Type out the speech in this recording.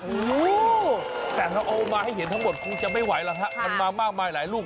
โอ้โหแต่ถ้าเอามาให้เห็นทั้งหมดคงจะไม่ไหวแล้วฮะมันมามากมายหลายลูก